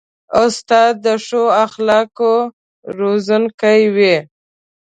استاد د ښو اخلاقو روزونکی وي.